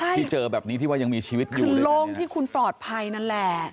ที่เจอแบบนี้ที่ว่ายังมีชีวิตอยู่ในโรงที่คุณปลอดภัยนั่นแหละ